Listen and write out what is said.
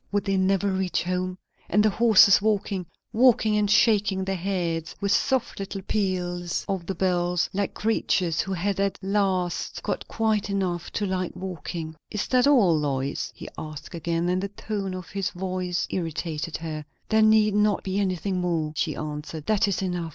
Would they never reach home? And the horses walking! Walking, and shaking their heads, with soft little peals of the bells, like creatures who had at last got quiet enough to like walking. "Is that all, Lois?" he asked again; and the tone of his voice irritated her. "There need not be anything more," she answered. "That is enough.